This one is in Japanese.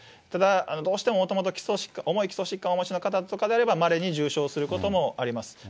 ただ、どうしてももともと重い基礎疾患をお持ちの方とかであれば、まれに重症することもあります。